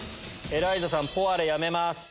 エライザさんポワレやめます。